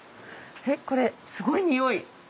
これすごいにおい！